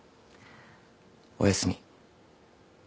おやすみ。